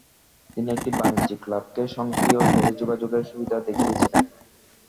তিনি একটি বাণিজ্যিক ক্লাবকে স্বয়ংক্রিয় টেলিযোগাযোগ এর সুবিধা দেখিয়েছিলেন।